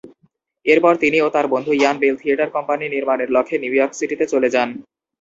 এরপর তিনি ও তার বন্ধু ইয়ান বেল থিয়েটার কোম্পানি নির্মাণের লক্ষ্যে নিউ ইয়র্ক সিটিতে চলে যান।